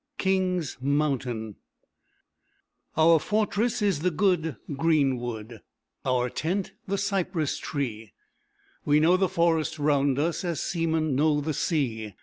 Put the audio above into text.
KING'S MOUNTAIN Our fortress is the good greenwood, Our tent the cypress tree; We know the forest round us As seamen know the sea.